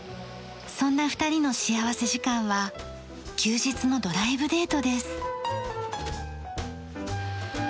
そんな２人の幸福時間は休日のドライブデートです。